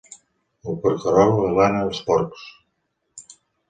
El porquerol aglana els porcs.